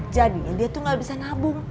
jadinya dia tuh gak bisa nabung